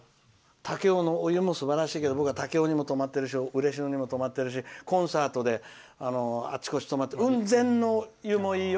武雄のお湯もすばらしいけど僕は武雄にも泊まってるし嬉野にも泊まってるしコンサートであちこち泊まって雲仙の湯もいいよ。